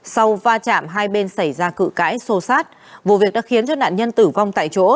sau va chạm hai bên xảy ra cự cãi xô xát vụ việc đã khiến cho nạn nhân tử vong tại chỗ